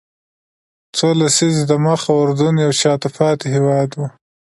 څو لسیزې دمخه اردن یو شاته پاتې هېواد و.